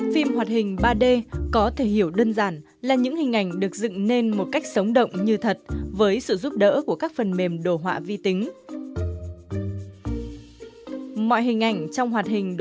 phim hoạt hình ba d có thể hiểu đơn giản là những hình ảnh được dựng nên một cách sống động như thật với sự giúp đỡ của các phần mềm đồ họa vi tính